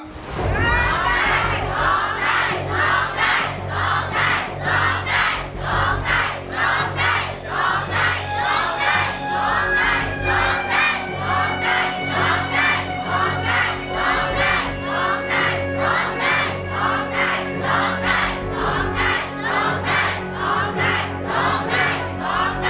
ร้องได้หรือว่าร้องผิดหรือว่าร้องผิด